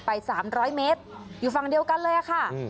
๓๐๐เมตรอยู่ฝั่งเดียวกันเลยค่ะ